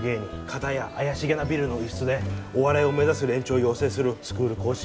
かたや怪しげなビルの一室でお笑いを目指す連中を養成するスクール講師。